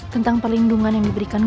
tentang perlindungan yang diberikan